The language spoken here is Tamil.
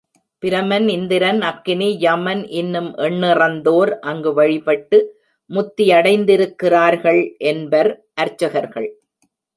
பிரமன், இந்திரன், அக்கினி, யமன் இன்னும் எண்ணிறந்தோர் அங்கு வழிபட்டு முத்தியடைந்திருக்கிறார்கள் என்பர் அர்ச்சகர்கள்.